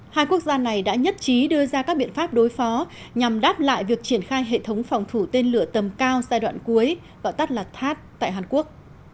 hai quốc gia này đã nhất trí đưa ra các biện pháp đối phó nhằm đáp lại việc triển khai hệ thống phòng thủ tên lửa tầm cao giai đoạn cuối gọi tắt là tháp tại hàn quốc